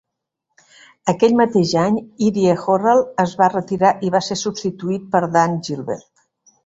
Aquell mateix any, Irie Horrall es va retirar i va ser substituït per Dan Gilbert.